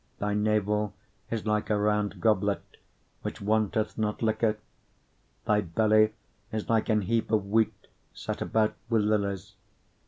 7:2 Thy navel is like a round goblet, which wanteth not liquor: thy belly is like an heap of wheat set about with lilies.